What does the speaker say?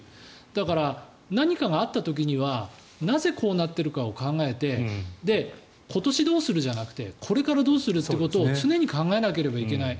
だから、何かがあった時にはなぜ、こうなってるかを考えて今年どうするじゃなくてこれからどうするってことを常に考えなければいけない。